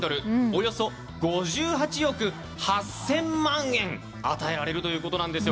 およそ５８億８０００万円与えられるということなんです。